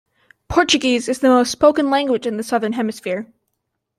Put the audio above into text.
Portuguese is the most spoken language in the Southern Hemisphere.